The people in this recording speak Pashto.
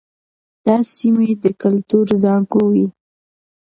دا سیمې د کلتور زانګو وې.